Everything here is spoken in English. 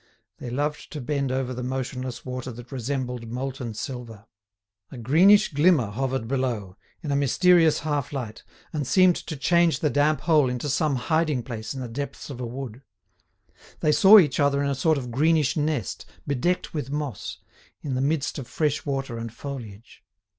They loved to bend over the motionless water that resembled molten silver. A greenish glimmer hovered below, in a mysterious half light, and seemed to change the damp hole into some hiding place in the depths of a wood. They saw each other in a sort of greenish nest bedecked with moss, in the midst of fresh water and foliage.